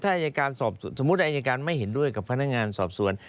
ถ้าอายการสอบสมมุติอายการไม่เห็นด้วยกับพนักงานสอบสวน